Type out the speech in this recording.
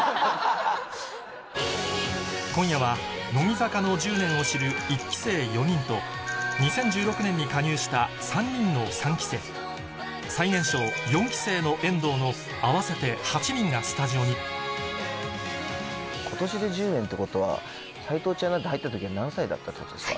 今夜は乃木坂の１０年を知る１期生４人と２０１６年に加入した３人の３期生最年少４期生の遠藤の合わせて８人がスタジオに今年で１０年ってことは齋藤ちゃんなんて入った時は何歳だったってことですか？